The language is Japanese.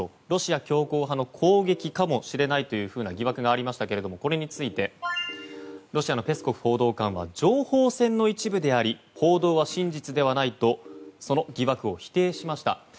ロシア強硬派の攻撃かもしれないという疑惑がありましたがこれについてロシアのペスコフ報道官は情報戦の一部であり報道は真実ではないとその疑惑を否定しました。